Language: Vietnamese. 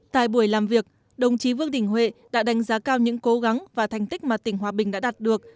tại buổi làm việc đồng chí vương đình huệ đã đánh giá cao những cố gắng và thành tích mà tỉnh hòa bình đã đạt được